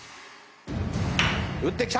打ってきた。